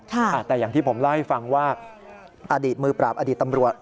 แต่อย่างที่ผมเล่าให้ฟังว่าอดีตมือปราบอดีตตำรวจ